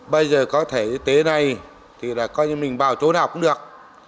bây giờ có thể y tế này thì mình bảo chỗ nào cũng được